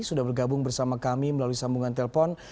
sudah bergabung bersama kami melalui sambungan telpon